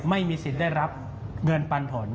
ไม่มีสิทธิ์ได้รับเงินปันผล